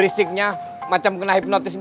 risiknya macam kena hipnotis empat